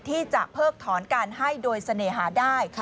ที่จะเพิกถอนการให้โดยเสน่หาได้